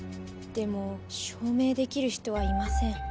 でも証明できる人はいません。